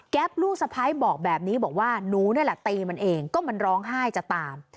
ลูกสะพ้ายบอกแบบนี้บอกว่าหนูนี่แหละตีมันเองก็มันร้องไห้จะตาม